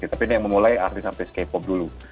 tapi ini yang memulai artis sampai k pop dulu